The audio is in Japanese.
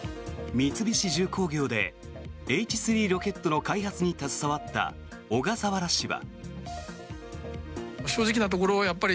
三菱重工業でＨ３ロケットの開発に携わった小笠原氏は。